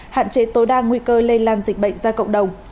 hạn chế tối đa nguy cơ lây lan dịch bệnh ra cộng đồng